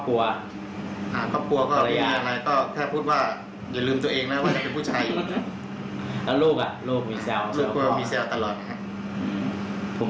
พ่อก็ภูมิใจว่าพ่อก็ทำได้ครับ